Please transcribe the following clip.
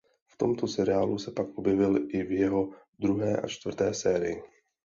V tomto seriálu se pak objevil i v jeho druhé a čtvrté sérii.